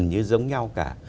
gần như giống nhau cả